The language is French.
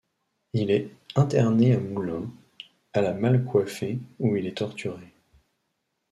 Il est interné à Moulins, à la Malcoiffée où il est torturé.